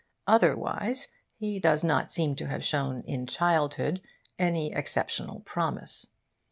Otherwise he does not seem to have shown in childhood any exceptional promise.